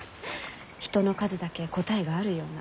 人の数だけ答えがあるような。